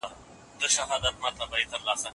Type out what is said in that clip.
احتکار د غریبو خلکو ژوند نور هم تریخ کړ.